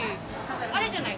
あれじゃない？